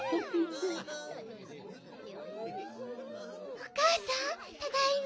おかあさんただいま。